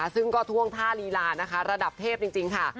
ซึ่งก็ท่วงท่าลีลาระดับเข็ปจริง